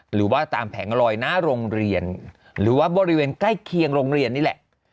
หรือว่าตามแผงลอยหน้าโรงเรียนหรือว่าบริเวณใกล้เคียงโรงเรียนนี่แหละ